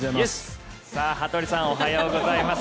羽鳥さん、おはようございます。